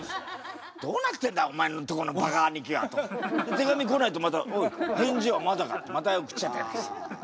手紙来ないとまた「おい返事はまだか」ってまた送っちゃったりなんかして。